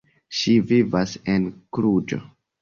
Ŝi vivas en Kluĵo.